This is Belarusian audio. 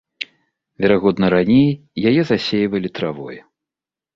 Верагодна, раней яе засейвалі травой.